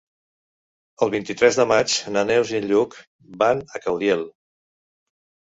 El vint-i-tres de maig na Neus i en Lluc van a Caudiel.